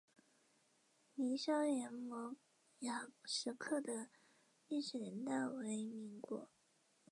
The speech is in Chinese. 凌霄岩摩崖石刻的历史年代为民国。